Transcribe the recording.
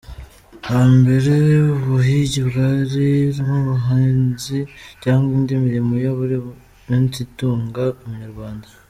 Hambere, ubuhigi bwari nk’ubuhinzi cyangwa indi mirimo ya buri munsi itunga umunyarwanda.